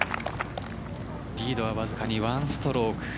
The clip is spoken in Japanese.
リードはわずかに１ストローク。